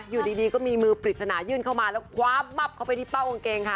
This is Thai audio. อยู่ดีก็มีมือปริศนายื่นเข้ามาแล้วคว้ามับเข้าไปที่เป้ากางเกงค่ะ